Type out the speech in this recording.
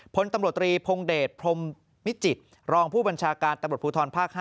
พลตำรวจตรีพงเดชพรมมิจิตรรองผู้บัญชาการตำรวจภูทรภาค๕